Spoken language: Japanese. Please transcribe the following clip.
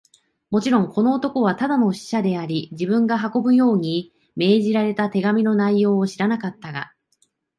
もちろん、この男はただの使者であり、自分が運ぶように命じられた手紙の内容を知らなかったが、